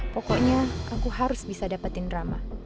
pokoknya aku harus bisa dapetin drama